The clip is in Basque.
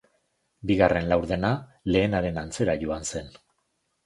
Bigarren laurdena lehenaren antzera joan zen.